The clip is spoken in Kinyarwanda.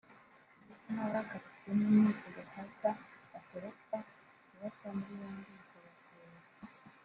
ndetse n’abakatiwe n’Inkiko Gacaca batoroka kubata muri yombi bikagorana